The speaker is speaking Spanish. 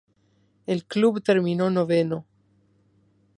El club terminó noveno.